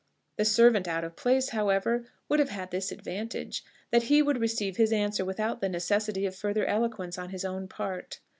The servant out of place, however, would have had this advantage, that he would receive his answer without the necessity of further eloquence on his own part.